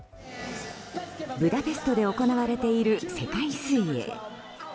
ブダペストで行われている世界水泳。